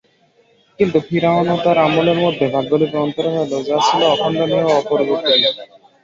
কিন্তু ফিরআউন ও তার আমলের মধ্যে ভাগ্যলিপি অন্তরায় হল- যা ছিল অখণ্ডনীয় ও অপরিবর্তনীয়।